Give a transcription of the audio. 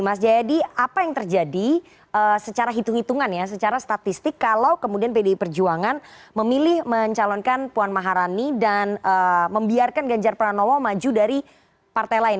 mas jayadi apa yang terjadi secara hitung hitungan ya secara statistik kalau kemudian pdi perjuangan memilih mencalonkan puan maharani dan membiarkan ganjar pranowo maju dari partai lain